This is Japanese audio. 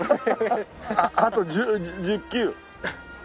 あと１０１０球。